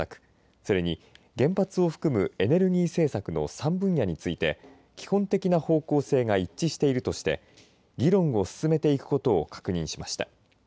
それに原発を含むエネルギー政策の３分野について基本的な方向性が一致しているとして議論を進めていくことを確認しました。